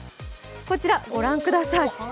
こちら、ご覧ください。